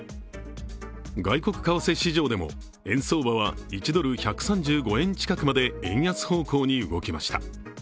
外国為替市場でも円相場は１ドル＝１３５円近くまで円安方向に動きました。